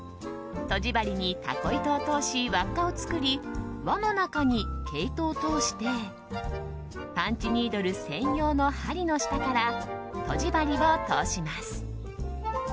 とじ針にタコ糸を通し輪っかを作り輪の中に毛糸を通してパンチニードル専用の針の下からとじ針を通します。